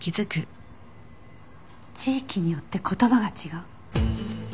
地域によって言葉が違う。